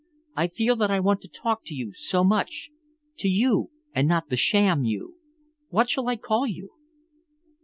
I feel that I want to talk to you so much, to you and not the sham you. What shall I call you?"